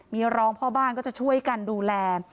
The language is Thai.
มีรองพ่อบ้านก็จะช่วยกันดูแล